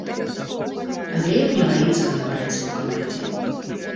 Глеб не баіцца канкурэнцыі ў камандзе.